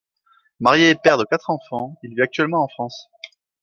Marié et père de quatre enfants, il vit actuellement en France.